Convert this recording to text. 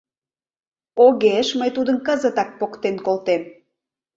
Огеш, мый тудым кызытак поктен колтем.